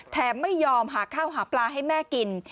ไม่ยอมหาข้าวหาปลาให้แม่กิน